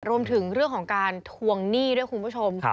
รวมถึงเรื่องของการทวงหนี้ด้วยคุณผู้ชม